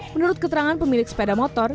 menurut keterangan pemilik sepeda motor